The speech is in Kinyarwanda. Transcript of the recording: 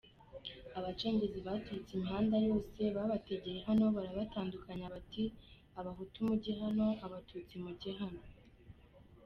Abacengezi baturutse imihanda yose babategeye hano, barabatandukanya bati Abahutu mujye, hano Abatutsi mujye Hano.